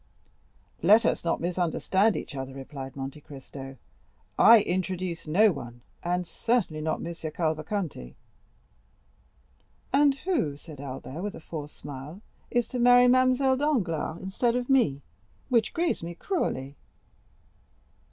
"Let us not misunderstand each other," replied Monte Cristo; "I introduce no one, and certainly not M. Cavalcanti." "And who," said Albert with a forced smile, "is to marry Mademoiselle Danglars instead of me, which grieves me cruelly."